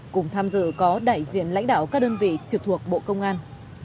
cùng tham dự có đại diện lãnh đạo các đơn vị trực thuộc bộ công an